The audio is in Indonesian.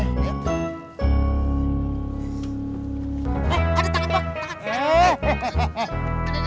eh ada tangan pak